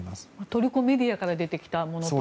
トルコメディアから出てきたものと。